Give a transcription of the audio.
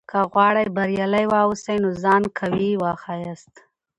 که غواړې بریالی واوسې؛ نو ځان قوي وښیاست.